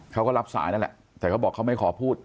เขาก็รับสายนั่นแหละแต่เขาบอกเขาไม่ขอพูด